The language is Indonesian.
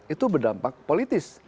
itu berdampak politis